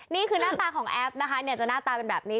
นี่คือหน้าตาของแอฟนะคะจะหน้าตาเป็นแบบนี้